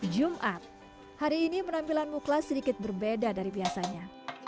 jumat hari ini penampilan muklas sedikit berbeda dari biasanya